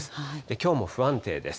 きょうも不安定です。